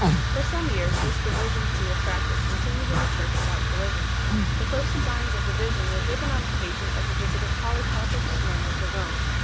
For some years this divergency of practice continued in the Church without collision. The first signs of division were given on occasion of a visit of Polycarp of Smyrna to Rome.